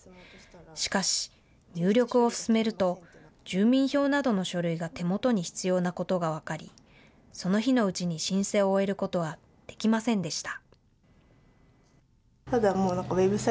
しかし、入力を進めると住民票などの書類が手元に必要なことが分かりその日のうちに申請を終えることはできませんでした。